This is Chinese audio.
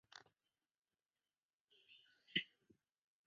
让人心里留下恐惧的阴影